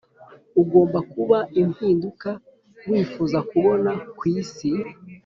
“ugomba kuba impinduka wifuza kubona ku isi”